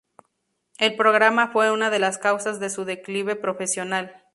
El programa fue una de las causas de su declive profesional.